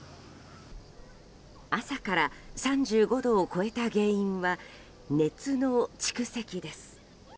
朝から３５度を超えた原因は熱の蓄積です。